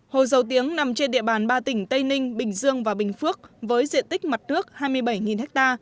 hồ dầu tiếng nằm trên địa bàn ba tỉnh tây ninh bình dương và bình phước với diện tích mặt trước hai mươi bảy ha